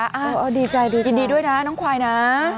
ดีใจดียินดีด้วยนะน้องควายนะ